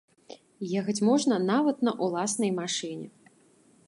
Ехаць можна нават на ўласнай машыне.